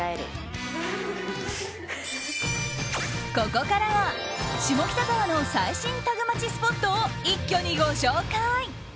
ここからは下北沢の最新タグマチスポットを一挙にご紹介。